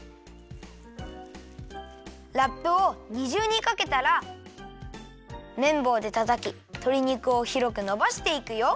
ラップをにじゅうにかけたらめんぼうでたたきとり肉をひろくのばしていくよ。